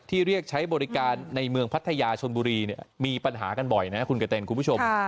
เรียกใช้บริการในเมืองพัทยาชนบุรีมีปัญหากันบ่อยนะคุณกระเต็นคุณผู้ชม